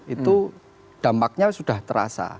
itu dampaknya sudah terasa